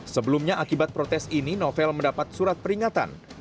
sebelumnya akibat protes ini novel mendapat surat peringatan